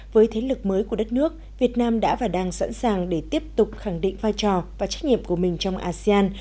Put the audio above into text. với thế lực mới của đất nước việt nam đã và đang sẵn sàng để tiếp tục khẳng định vai trò và trách nhiệm của mình trong asean